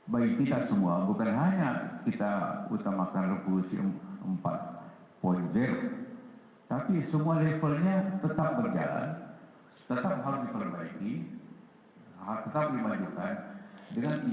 bagi kita semua bukan hanya kita utamakan revolusi empat